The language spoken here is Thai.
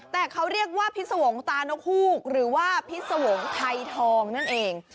แต่เขาเรียกว่าพิษวงศ์ตานกฮูกหรือว่าพิษวงศ์ไทยทองนั่นเอง